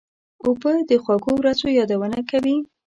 اوبه د خوږو ورځو یادونه کوي.